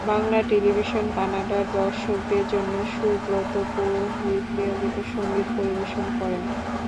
Bangla television কানাডার দর্শকদের জন্য সুব্রত পুরোহিত নিয়মিত সংগীত পরিবেশন করেন।